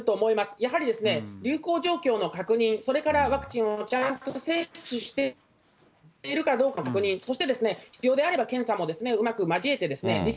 やはり、流行状況の確認、それからワクチンをちゃんと接種しているかどうかの確認、そして必要であれば、検査もうまく交えてリス